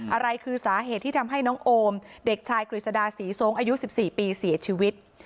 อะไรคือสาเหตุที่ทำให้น้องโอมเด็กชายกฤษดาศรีทรงอายุ๑๔ปีเสียชีวิต